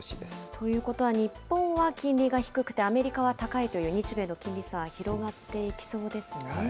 ということは、日本は金利が低くて、アメリカは高いという、日米の金利差、広がっていきそうですね。